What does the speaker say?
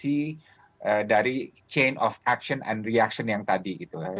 tidak ada eskalasi dari chain of action and reaction yang tadi